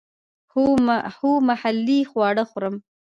هو، محلی خواړه خورم